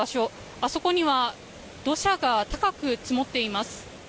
あそこには土砂が高く積もっています。